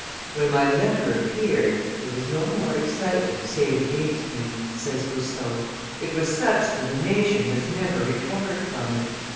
"When my letter appeared, there was no more excitement save against me," says Rousseau; "it was such that the nation has never recovered from it.